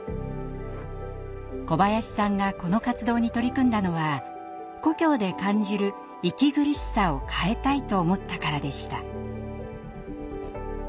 小林さんがこの活動に取り組んだのは故郷で感じる息苦しさを変えたいと思ったからでした。